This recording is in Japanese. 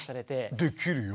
「できるよ！」